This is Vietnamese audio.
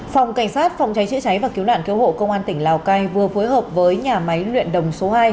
phòng cảnh sát phòng cháy chữa cháy và cứu nạn cứu hộ công an tỉnh lào cai vừa phối hợp với nhà máy luyện đồng số hai